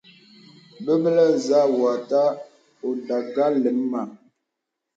Bəbələ nzə wò òtà àdógā lēm mə.